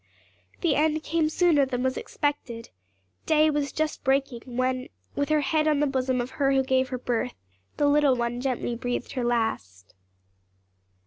The end came sooner than was expected; day was just breaking when, with her head on the bosom of her who gave her birth, the little one gently breathed her last.